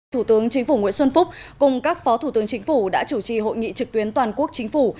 thủ tướng chính phủ nguyễn xuân phúc cùng các phó thủ tướng chính phủ đã chủ trì hội nghị trực tuyến toàn quốc chính phủ